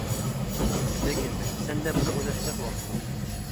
لېكىن. سەندە بۇنى ئويلاشقۇدەك ۋاقىت يوق.